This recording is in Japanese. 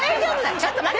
ちょっと待って！